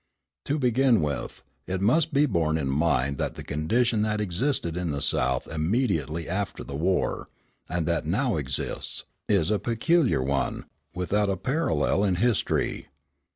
To begin with, it must be borne in mind that the condition that existed in the South immediately after the war, and that now exists, is a peculiar one, without a parallel in history.